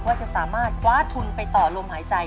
ว่าจะสามารถคว้าทุนไปต่อลมหายใจ